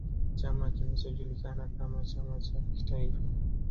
Chama kilichojulikana kama chama cha kitaifa